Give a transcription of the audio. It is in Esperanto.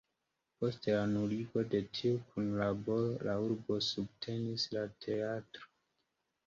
Post la nuligo de tiu kunlaboro la urbo subtenis la teatron.